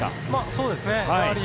そうですね。